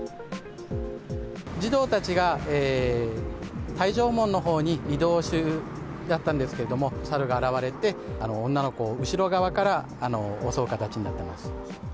児童たちが退場門のほうに移動するところだったんですが、サルが現れて、女の子を後ろ側から襲う形になってます。